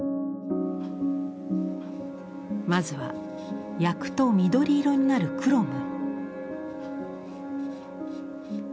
まずは焼くと緑色になるクロム。